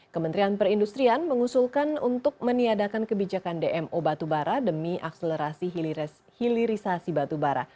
kementerian perindustrian mengusulkan untuk meniadakan kebijakan dmo batubara demi akselerasi hilirisasi batubara